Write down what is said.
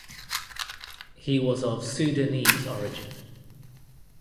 He was of Sudanese origin.